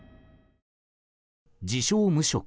自称無職